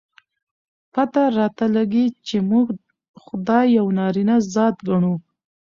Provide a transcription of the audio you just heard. پته راته لګي، چې موږ خداى يو نارينه ذات ګڼو.